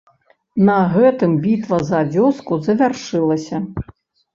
На гэтым бітва за вёску завяршылася.